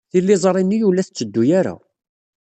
Tiliẓri-nni ur la tetteddu ara.